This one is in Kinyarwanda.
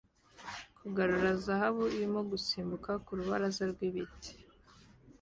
Kugarura zahabu irimo gusimbuka ku rubaraza rw'ibiti